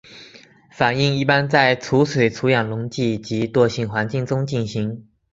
反应一般在除水除氧溶剂及惰性环境中进行。